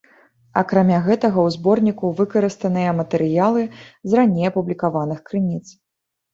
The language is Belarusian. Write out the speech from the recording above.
Акрамя гэтага, у зборніку выкарыстаныя матэрыялы з раней апублікаваных крыніц.